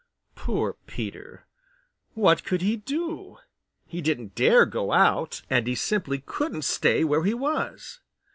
Poor Peter! What could he do? He didn't dare go out, and he simply couldn't stay where he was.